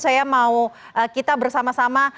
saya mau kita bersama sama